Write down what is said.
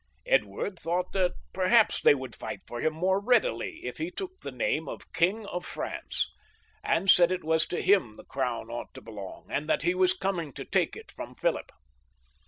Edward thought that perhaps they would fight for him more readily if he took the name of King of France, and said it was to him the 158 PHILIP VI [CH. crown ought to belong, and that he was coming to take it from Philip.